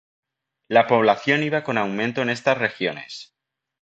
La población iba con aumento en estas regiones.